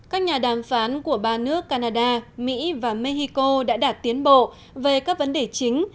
các nhà đàm phán của ba nước canada mỹ và mexico đã đạt tiến bộ về các vấn đề chính